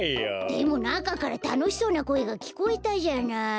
でもなかからたのしそうなこえがきこえたじゃない。